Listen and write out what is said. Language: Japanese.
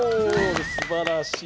すばらしい。